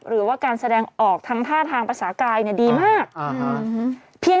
หรือว่าการแสดงออกทางท่าทางปรัสสาหกาย